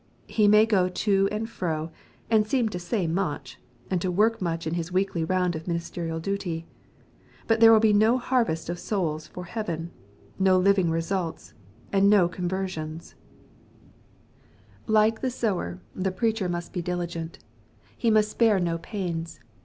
He may go to and fro, and seem to say much, and to work mucli in his weekly round of ministerial duty. But there will be no harvest of souls for heaven, no living results, and no conversions. 142 EXP08IT0BT THOUGHTS. Like the sower, the preacher must he diligent. Hi must spare no pains.